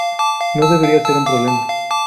No debería ser un problema.